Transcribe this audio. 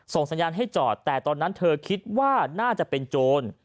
สัญญาณให้จอดแต่ตอนนั้นเธอคิดว่าน่าจะเป็นโจร